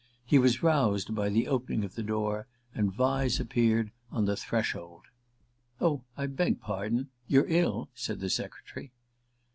He was roused by the opening of the door, and Vyse appeared on the threshold. "Oh, I beg pardon you're ill?" said the secretary.